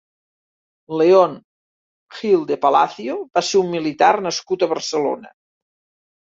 León Gil de Palacio va ser un militar nascut a Barcelona.